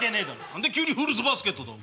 何で急にフルーツバスケットだ。